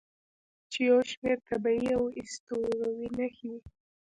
چې یو شمیر طبیعي او اسطوروي نښې